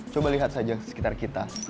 coba lihat saja sekitar kita